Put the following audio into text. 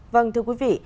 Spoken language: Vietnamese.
vâng thưa quý vị